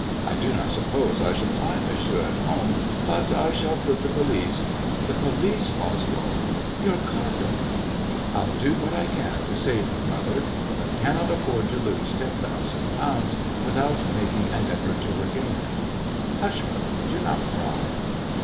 I do not suppose I shall find Monsieur at home but I shall put the police "" The police, Oswald 1 Your cousin 1 "" I'll do what I can to save her, mother, but I cannot afford to lose ten thousand pounds without making an effort to regain it. Hush, mother ; do not cry."